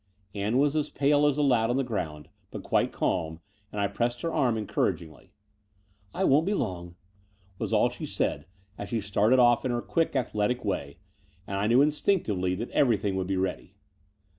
Ann was as pale as the lad on the ground, but quite calm, as I pressed her arm encouragingly. "I won't be long," was all she said, as she started off in her quick, athletic way; and I knew instinctivdy that everjrthing would be ready.